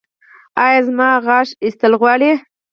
ایا زما غاښ ایستل غواړي؟